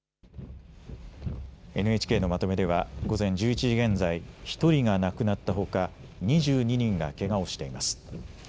ＮＨＫのまとめでは午前１１時現在１人が亡くなったほか２２人がけがをしています。